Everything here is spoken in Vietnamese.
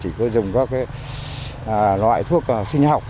chúng tôi dùng các loại thuốc sinh học